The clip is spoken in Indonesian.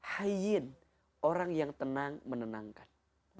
hayyin orang yang tenang menenangkan